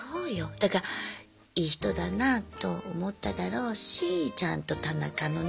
だからいい人だなあと思っただろうしちゃんと田中のね